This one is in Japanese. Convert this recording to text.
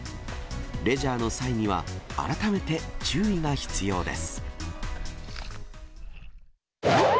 レジャーの際には、改めて注意が必要です。